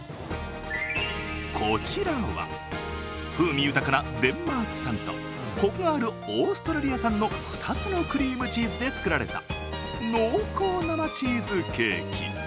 こちらは、風味豊かなデンマーク産とコクがあるオーストラリア産の２つのクリームチーズで作られた濃厚生チーズケーキ。